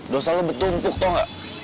dosa lo betumpuk tau gak